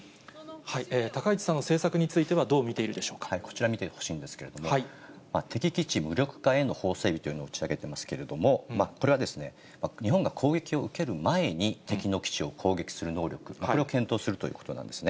高市さんの政策については、こちら見てほしいんですけれども、敵基地無力化への法整備の打ち上げと示していますけれども、これは日本が攻撃を受ける前に、敵の基地を攻撃する能力、これを検討するということなんですね。